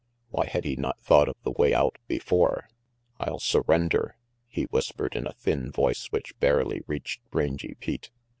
Why had he not thought of the way out before? "I'll surrender," he whispered in a thin voice which barely reached Rangy Pete.